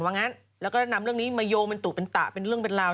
งั้นแล้วก็นำเรื่องนี้มาโยงเป็นตุเป็นตะเป็นเรื่องเป็นราว